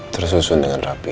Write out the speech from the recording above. tersusun dengan rapi